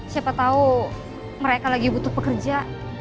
siapa tahu mereka lagi butuh pekerja